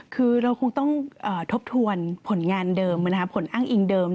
คือเราคงต้องทบทวนผลงานเดิมผลอ้างอิงเดิม